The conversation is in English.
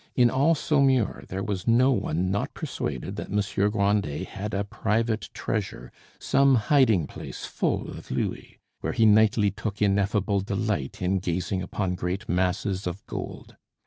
In all Saumur there was no one not persuaded that Monsieur Grandet had a private treasure, some hiding place full of louis, where he nightly took ineffable delight in gazing upon great masses of gold.